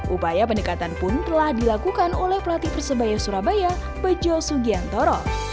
upaya pendekatan pun telah dilakukan oleh pelatih persebaya surabaya bejo sugiantoro